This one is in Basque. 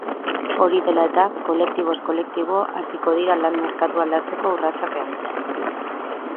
Hori dela eta, kolektiboz kolektibo hasiko dira lan-merkatua aldatzeko urratsak egiten.